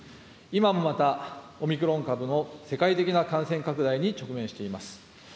今もまたオミクロン株の世界的な感染拡大に直面しています。